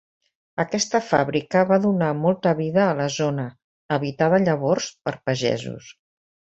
Aquesta fàbrica va donar molta vida a la zona, habitada llavors per pagesos.